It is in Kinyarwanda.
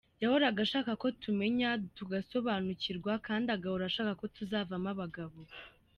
Yahoraga ashaka tumenye, dusobanukirwe kandi agahora ashaka ko tuzavamo abagabo.